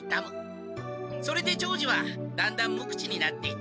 それで長次はだんだん無口になっていったのだ。